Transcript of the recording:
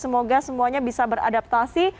semoga semuanya bisa beradaptasi